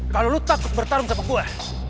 kalau lo takut bertarung sama gue